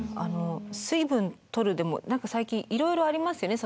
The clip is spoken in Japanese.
水分取るでも何か最近いろいろありますよね。